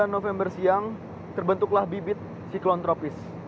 dua puluh november siang terbentuklah bibit siklon tropis